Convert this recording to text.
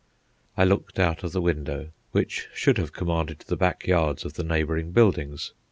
I looked out of the window, which should have commanded the back yards of the neighbouring buildings.